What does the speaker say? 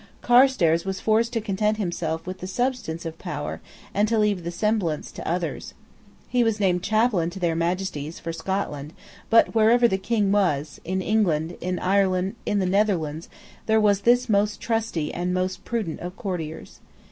Carstairs was forced to content himself with the substance of power, and to leave the semblance to others. He was named Chaplain to their Majesties for Scotland, but wherever the King was, in England, in Ireland, in the Netherlands, there was this most trusty and most prudent of courtiers.